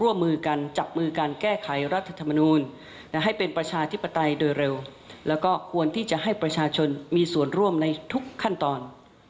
ร่วมมือกันจับมือการแก้ไขรัฐธรรมนูลให้เป็นประชาธิปไตยโดยเร็วแล้วก็ควรที่จะให้ประชาชนมีส่วนร่วมในทุกขั้นตอน